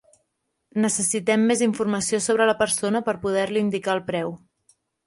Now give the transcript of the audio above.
Necessitem més informació sobre la persona, per poder-li indicar el preu.